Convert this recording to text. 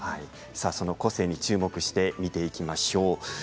その個性に注目して見ていきましょう。